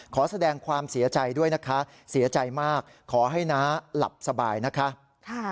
ขอแสดงความเสียใจด้วยนะคะเสียใจมากขอให้น้าหลับสบายนะคะ